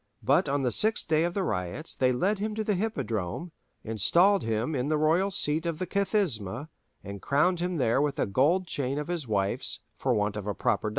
But on the sixth day of the riots they led him to the Hippodrome, installed him in the royal seat of the Kathisma, and crowned him there with a gold chain of his wife's, for want of a proper diadem.